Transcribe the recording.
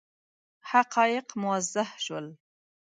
حقایق موضح شول.